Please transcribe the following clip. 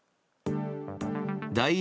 第１